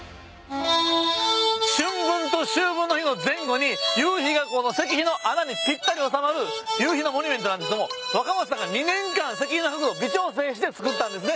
春分と秋分の日の前後に夕日がこの石碑の穴にぴったり収まる夕日のモニュメントなんですけども若松さんが２年間石碑を微調整して作ったんですね。